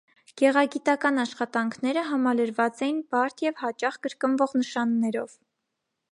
Գեղագիտական աշխատանքները համալրված էին բարդ և հաճախ կրկնվող նշաններով։